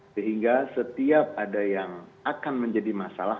sehingga setiap ada yang akan menjadi masalah